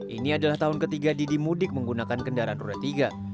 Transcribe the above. ini adalah tahun ketiga didi mudik menggunakan kendaraan roda tiga